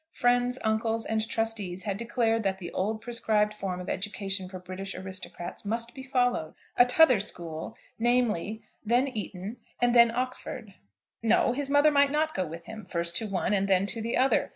Friends, uncles, and trustees had declared that the old prescribed form of education for British aristocrats must be followed, a t'other school, namely, then Eton, and then Oxford. No; his mother might not go with him, first to one, and then to the other.